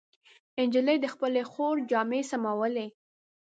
نجلۍ د خپلې خور جامې سمولې.